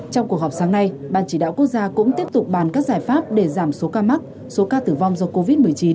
trong cuộc họp sáng nay ban chỉ đạo quốc gia cũng tiếp tục bàn các giải pháp để giảm số ca mắc số ca tử vong do covid một mươi chín